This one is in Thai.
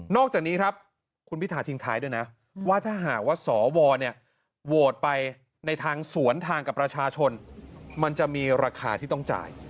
จากนี้ครับคุณพิธาทิ้งท้ายด้วยนะว่าถ้าหากว่าสวโหวตไปในทางสวนทางกับประชาชนมันจะมีราคาที่ต้องจ่าย